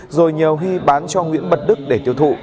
rồi nhờ hy bán cho nguyễn bật đức để tiêu thụ